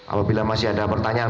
apabila masih ada pertanyaan